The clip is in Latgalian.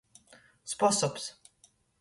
Sposobs.